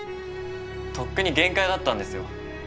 とっくに限界だったんですよ。